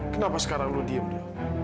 kenapa sekarang lo diam dil